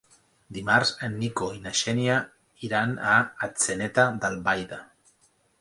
Dimarts en Nico i na Xènia iran a Atzeneta d'Albaida.